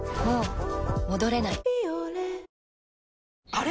あれ？